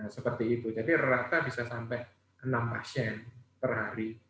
seperti itu jadi rata bisa sampai enam pasien per hari